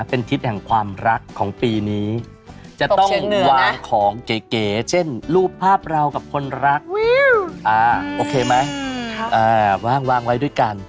เป็นทิศแห่งความรักของปีนี้จะต้องวางของเก๋เช่นรูปภาพเรากับคนรักโอเคไหมวางไว้ด้วยกัน